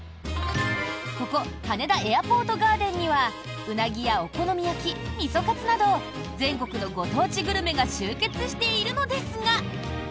ここ羽田エアポートガーデンにはウナギやお好み焼きみそカツなど全国のご当地グルメが集結しているのですが。